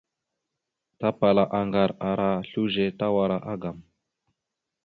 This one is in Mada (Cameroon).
Tapala aŋgar ara slʉze tawara agam.